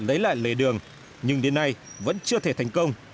lấy lại lề đường nhưng đến nay vẫn chưa thể thành công